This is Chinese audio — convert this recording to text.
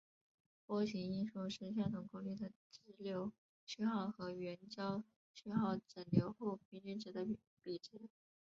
波形因数是相同功率的直流讯号和原交流讯号整流后平均值的比值。